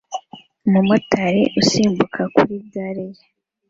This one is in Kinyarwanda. Umumotari usimbuka kuri gare ye